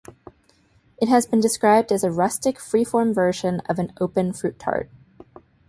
It has been described as a "rustic free-form version of an open fruit tart".